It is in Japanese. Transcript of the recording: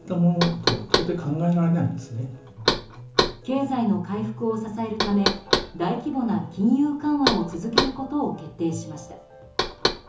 経済の回復を支えるため大規模な金融緩和を続けることを決定しました。